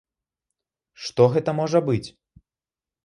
Што гэта можа быць?